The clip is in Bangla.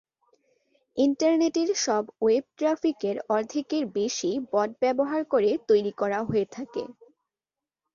ইন্টারনেটের সব ওয়েব ট্রাফিকের অর্ধেকের বেশি বট ব্যবহার করে তৈরি করা হয়ে থাকে।